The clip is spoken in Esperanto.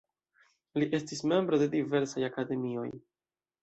Li estis membro de diversaj akademioj.